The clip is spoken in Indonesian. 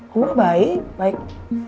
om roy baik